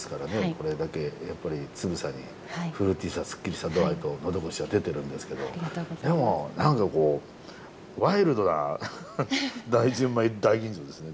これだけやっぱりつぶさにフルーティーさすっきりさ度合いと喉越しは出てるんですけどでも何かこうワイルドな純米大吟醸ですね